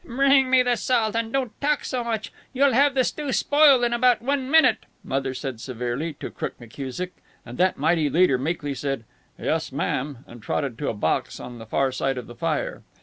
"Bring me the salt and don't talk so much. You'll have the stew spoiled in about one minute," Mother said, severely, to Crook McKusick, and that mighty leader meekly said, "Yes, ma'am," and trotted to a box on the far side of the fire.